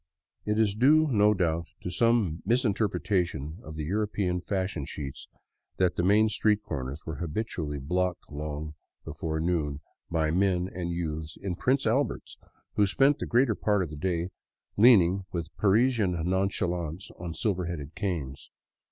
It is due, no doubt, to some misinterpretation of the European fashion sheets that the main street corners were habitually blocked long before noon by men and youths in Prince Alberts, who spent the greater part of the day leaning with Parisian nonchalance on silver headed canes.